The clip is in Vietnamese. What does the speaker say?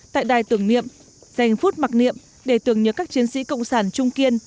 tại đài tưởng niệm dành phút mặc niệm để tưởng nhớ các chiến sĩ cộng sản trung kiên